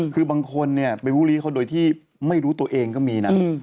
คือบางคนเนี่ยไปบูลี้เขาโดยที่ไม่รู้ตัวเองก็มีนะ